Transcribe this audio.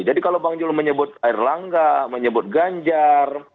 jadi kalau bang yandri menyebut air langga menyebut ganjar